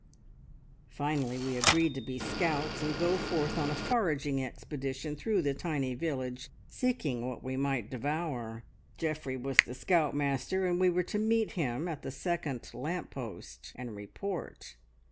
Finally we agreed to be scouts and go forth on a foraging expedition through the tiny village, seeking what we might devour. Geoffrey was the scout master, and we were to meet him at the second lamp post and report.